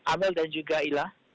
amel dan juga ila